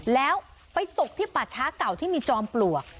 แล้วไปตกที่ป่าช้าเก่าที่มีจอมปลวก